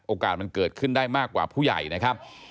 มันเกิดขึ้นได้มากกว่าผู้ใหญ่นะครับ